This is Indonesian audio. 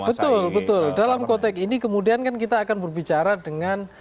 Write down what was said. betul betul dalam konteks ini kemudian kan kita akan berbicara dengan